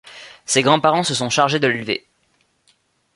Ses grands parents se sont chargés de l’élever.